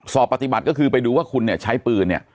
สอบปฏิบัติก็คือไปดูว่าคุณเนี่ยใช้ปืนเนี่ย